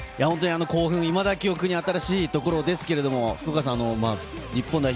興奮、いまだ記憶に新しいところですけど、日本代表